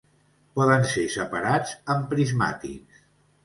Poden ser separats amb prismàtics.